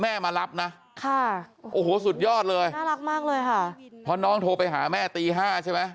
แม่มารับนะค่ะโอ้โหสุดยอดเลยมากเลยฮะพอน้องโทรไปหาแม่ตี๕ใช่ไหม